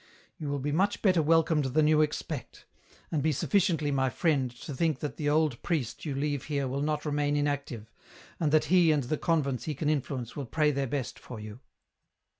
You will be much better welcomed than you expect, and be sufficiently my friend to think that the old priest you leave here will not remain inactive, and that he and the Il8 EN ROUTE. convents he can influence will pray their best for you."